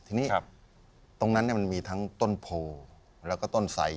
ทีนี้ตรงนั้นมันมีทั้งต้นโพแล้วก็ต้นไส